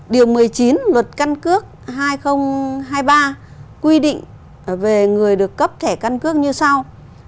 điều một mươi chín luật căn cước hai nghìn hai mươi ba quy định về người được cấp thẻ căn cước như sau